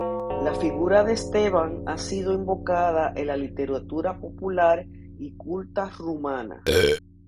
La figura de Esteban ha sido invocada en la literatura popular y culta rumana.